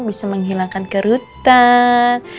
bisa menghilangkan kerutan